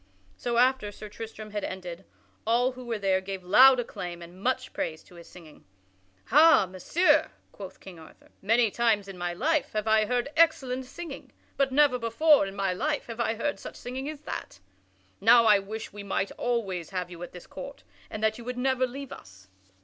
So after Sir Tristram had ended, all who were there gave loud acclaim and much praise to his singing. "Ha, Messire!" quoth King Arthur, "many times in my life have I heard excellent singing, but never before in my life have I heard such singing as that. Now I wish that we might always have you at this court and that you would never leave us."